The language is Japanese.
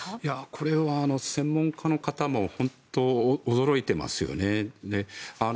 これは専門家の方も本当に驚いていますよね。